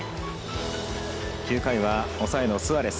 ９回は抑えのスアレス。